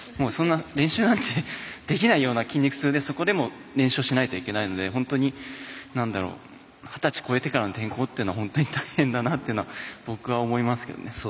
そんな練習なんてできないような筋肉痛でそこでも練習をしなくちゃいけないので本当に二十歳超えてからの転向というのは本当に大変だなと僕は思いますけどね。